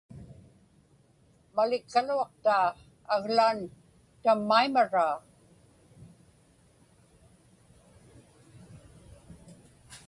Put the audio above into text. Malikkaluaqtaa, aglaan tammaimaraa.